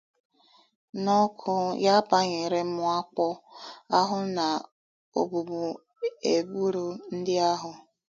N'okwu ya banyere mwakpo ahụ na ogbugbu e gburu ndị ahụ